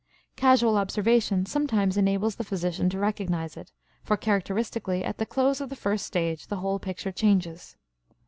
Casual observation sometimes enables the physician to recognize it, for characteristically at the close of the first stage the whole picture changes.